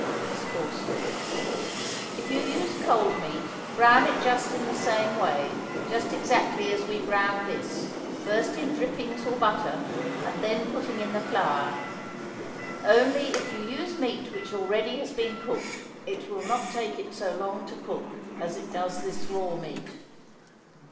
MISS CORSON. If you use cold meat, brown it just in the same way, just exactly as we browned this, first in drippings or butter and then putting in the flour; only if you use meat which already has been cooked, it will not take it so long to cook as it does this raw meat.